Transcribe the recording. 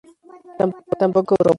Tampoco Europa".